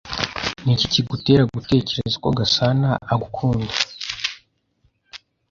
Niki kigutera gutekereza ko Gasana agukunda?